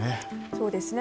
そうですね。